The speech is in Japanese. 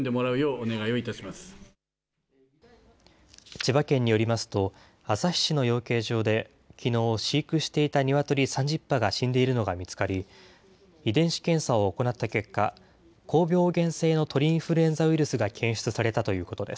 千葉県によりますと、旭市の養鶏場で、きのう飼育していたニワトリ３０羽が死んでいるのが見つかり、遺伝子検査を行った結果、高病原性の鳥インフルエンザウイルスが検出されたということです。